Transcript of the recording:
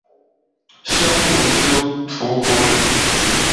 匈奴休屠胡人。